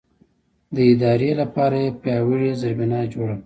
د ادارې لپاره یې پیاوړې زېربنا جوړه کړه.